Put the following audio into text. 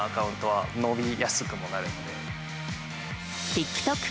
ＴｉｋＴｏｋ